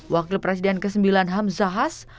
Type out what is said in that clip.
wakil presiden ke sembilan hamzahas